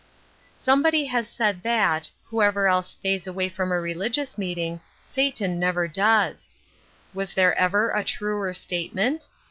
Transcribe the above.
Somebody has said that, whoever else stay? away from a religious meeting, Satan never does. Was there ever a truer statement